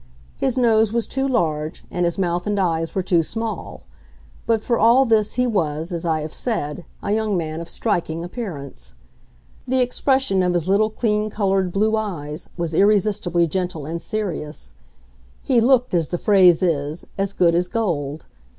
His nose was too large, and his mouth and eyes were too small; but for all this he was, as I have said, a young man of striking appearance. The expression of his little clean colored blue eyes was irresistibly gentle and serious; he looked, as the phrase is, as good as gold.